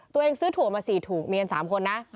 ตัวเองซื้อถั่วมาสี่ถุงมีอันสามคนนะ